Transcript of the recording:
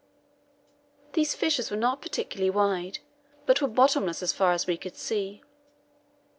These fissures were not particularly wide, but were bottomless, as far as we could see.